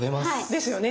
ですよね。